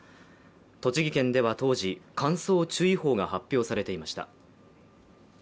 栃木県では当時乾燥注意報が発表されていました。